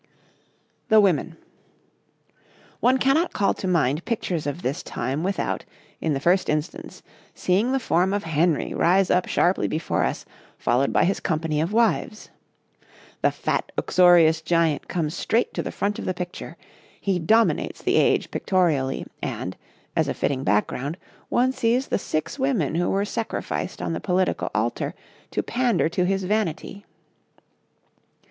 THE WOMEN One cannot call to mind pictures of this time without, in the first instance, seeing the form of Henry rise up sharply before us followed by his company of wives. The fat, uxorious giant comes straight to the front of the picture, he dominates the age pictorially; and, as a fitting background, one sees the six women who were sacrificed on the political altar to pander to his vanity.